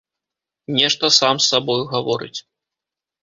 Нешта сам з сабою гаворыць.